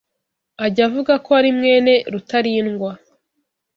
ajya avuga ko ari mwene Rutalindwa